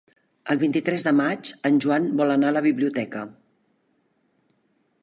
El vint-i-tres de maig en Joan vol anar a la biblioteca.